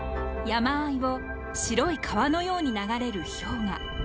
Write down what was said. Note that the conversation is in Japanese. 山あいを白い川のように流れる氷河。